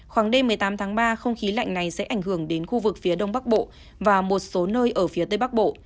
khoảng đêm một mươi tám tháng ba không khí lạnh này sẽ ảnh hưởng đến khu vực phía đông bắc bộ và một số nơi ở phía tây bắc bộ